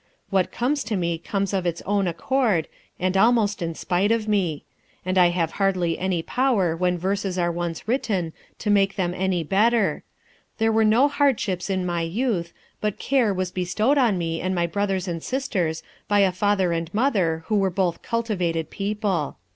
What comes to me comes of its own accord, and almost in spite of me; and I have hardly any power when verses are once written to make them any better.... There were no hardships in my youth, but care was bestowed on me and my brothers and sisters by a father and mother who were both cultivated people."